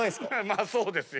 まあそうですよ。